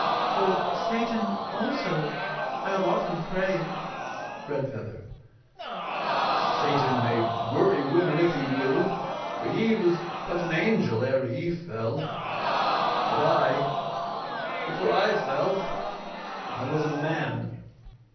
_] For Satan, also, I have often prayed. REDFEATHER [roughly]. Satan may worry women if he will, For he was but an angel ere he fell, But I before I fell I was a man.